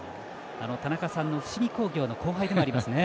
田中さんの伏見工業の後輩でもありますね。